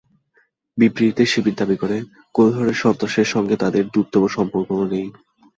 বিবৃতিতে শিবির দাবি করে, কোনো ধরনের সন্ত্রাসের সঙ্গে তাদের দূরতম সম্পর্কও নেই।